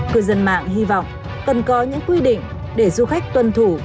cư dân mạng hy vọng cần có những quy định để du khách tuân thủ